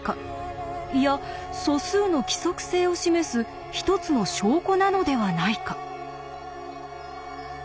いや素数の規則性を示す一つの証拠なのではないか？